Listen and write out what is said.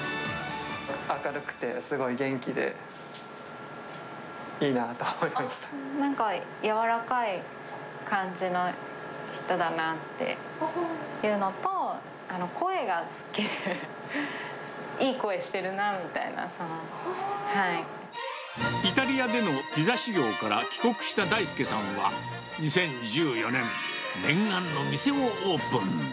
明るくて、すごい元気で、なんか柔らかい感じの人だなっていうのと、声が好きで、イタリアでのピザ修業から帰国した大輔さんは、２０１４年、念願の店をオープン。